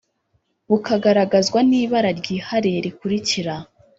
bukagaragazwa n ibara ryihariye rikurikira